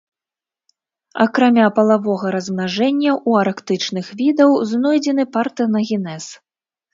Акрамя палавога размнажэння ў арктычных відаў знойдзены партэнагенез.